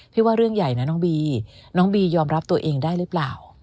ว่าเรื่องใหญ่นะน้องบีน้องบียอมรับตัวเองได้หรือเปล่า